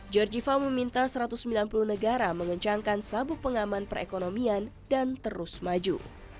georgiva meminta satu ratus sembilan puluh negara mengencangkan sabuk pengaman perekonomian dan terus maju